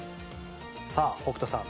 さあ北斗さん